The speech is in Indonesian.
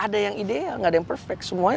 ada yang ideal nggak ada yang perfect semuanya